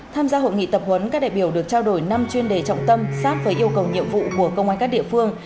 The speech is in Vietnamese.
tham gia hội nghị tập huấn các đại biểu được trao đổi năm chuyên đề trọng tâm sát với yêu cầu nhiệm vụ của công an các địa phương